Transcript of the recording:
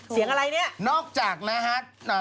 เสียงอะไรเนี่ยนอกจากนะฮะ